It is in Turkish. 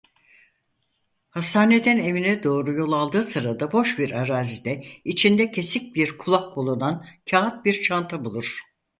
Hastaneden evine doğru yol aldığı sırada boş bir arazide içinde kesik bir kulak bulunan kâğıt bir çanta bulur.